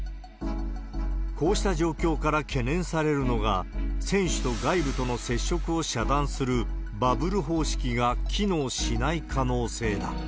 こうした状況から懸念されるのが、選手と外部との接触を遮断するバブル方式が機能しない可能性だ。